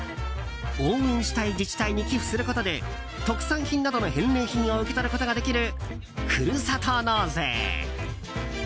応援したい自治体に寄付することで特産品などの返礼品を受け取ることができるふるさと納税。